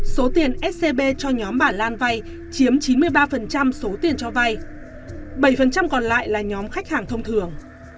số tiền scb cho nhóm bà lan vay chiếm chín mươi ba số tiền cho vay bảy còn lại là nhóm khách hàng thông thường